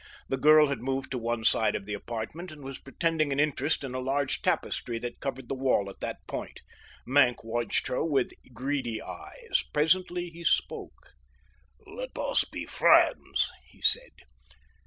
The girl had moved to one side of the apartment and was pretending an interest in a large tapestry that covered the wall at that point. Maenck watched her with greedy eyes. Presently he spoke. "Let us be friends," he said.